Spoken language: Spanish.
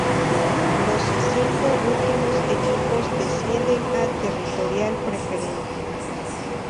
Los cinco últimos equipos descienden a Territorial Preferente.